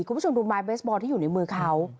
คุณผู้ชมดูไม้เบสบอลที่อยู่ในมือเขา